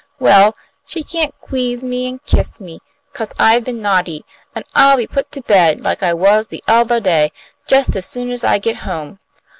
"Well, she can't 'queeze me an' kiss me, 'cause I've been naughty, an' I'll be put to bed like I was the othah day, just as soon as I get home.